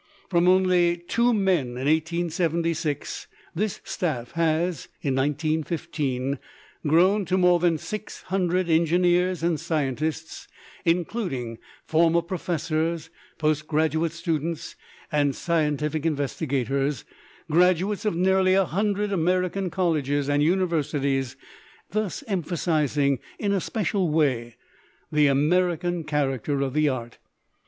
From only two men in 1876 this staff has, in 1915, grown to more than six hundred engineers and scientists, including former professors, post graduate students, and scientific investigators, graduates of nearly a hundred American colleges and universities, thus emphasizing in a special way the American character of the art.